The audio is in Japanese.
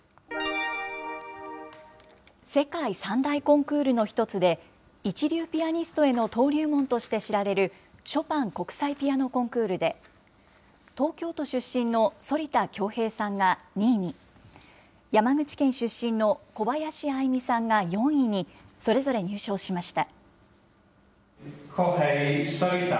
世界３台コンクールの１つで、一流ピアニストへの登竜門として知られる、ショパン国際ピアノコンクールで、東京都出身の反田恭平さんが２位に、山口県出身の小林愛実さんが４位に、それぞれ入賞しました。